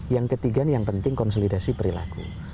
yang ketiga yang penting konsolidasi perilaku